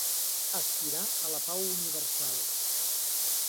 Aspirar a la pau universal.